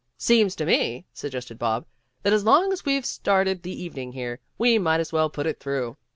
"Seems to me," suggested Bob, "that as long as we've started the evening here, we might as well put it through."